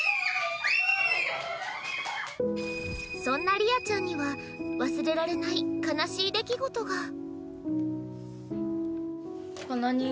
そんな莉愛ちゃんには忘れられない悲しい出来事が。